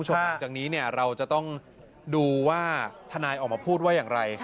หลังจากนี้เราจะต้องดูว่าทนายออกมาพูดว่าอย่างไร